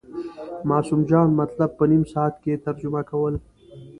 معصوم جان مطلب په نیم ساعت کې ترجمه کول.